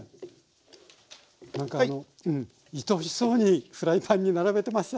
なんかあのいとおしそうにフライパンに並べてました。